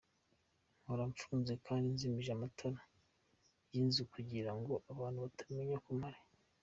Mpora mfunze kandi nzimije amatara y’inzu kugira ngo abantu batamenya ko mpari.